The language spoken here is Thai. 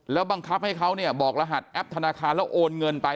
แล้วบังคับให้เขาเนี่ยบอกรหัสแอปธนาคารแล้วโอนเงินไป